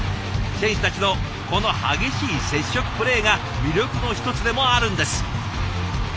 選手たちのこの激しい接触プレーが魅力の一つでもあるんです。